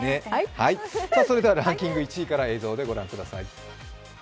それではランキング１位から映像でご覧ください。